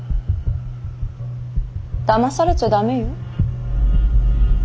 だまされちゃ駄目よ。